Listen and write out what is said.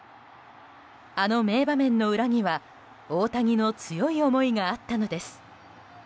あの名場面の裏には大谷の強い思いがあったのです。